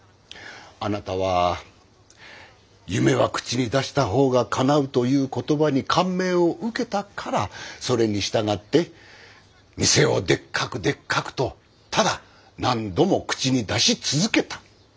あなたは「夢は口に出した方が叶う」という言葉に感銘を受けたからそれに従って「店をでっかくでっかく」とただ何度も口に出し続けた。